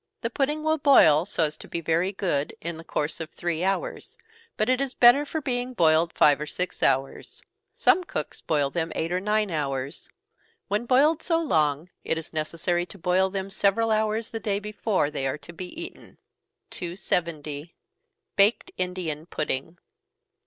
The pudding will boil, so as to be very good, in the course of three hours, but it is better for being boiled five or six hours. Some cooks boil them eight or nine hours when boiled so long, it is necessary to boil them several hours the day before they are to be eaten. 270. _Baked Indian Pudding.